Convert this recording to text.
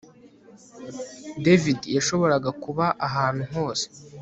David yashoboraga kuba ahantu hose